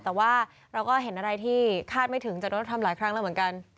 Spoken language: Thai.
แต่ว่าเราก็เห็นอะไรที่คาดไม่ถึงจะทำหลายครั้งแล้วเหมือนกัน